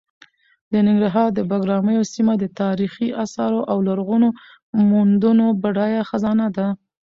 د ننګرهار د بګراميو سیمه د تاریخي اثارو او لرغونو موندنو بډایه خزانه ده.